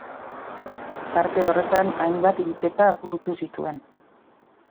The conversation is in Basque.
Tarte horretan, hainbat hilketa burutu zituen.